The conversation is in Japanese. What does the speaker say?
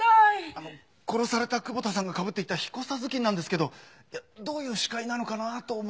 あの殺された窪田さんがかぶっていたひこさ頭巾なんですけどどういう視界なのかなあと思って。